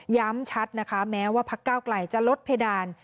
ย้ำชัดนะคะแม้ว่าพักเก้าไกลจะลดเพดาน